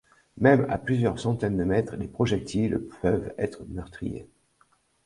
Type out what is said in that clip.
Même à plusieurs centaines de mètres, les projectiles peuvent être meurtriers.